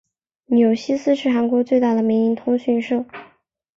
纽西斯是韩国最大的民营通讯社。